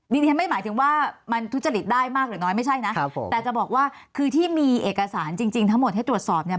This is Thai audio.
ดิฉันไม่หมายถึงว่ามันทุจริตได้มากหรือน้อยไม่ใช่นะครับผมแต่จะบอกว่าคือที่มีเอกสารจริงทั้งหมดให้ตรวจสอบเนี่ย